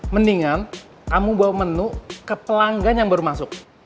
mendingan kamu bawa menu ke pelanggan yang baru masuk